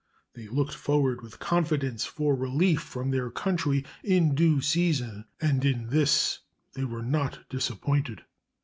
They looked forward with confidence for relief from their country in due season, and in this they were not disappointed.